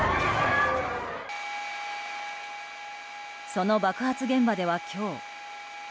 その爆発現場では今日。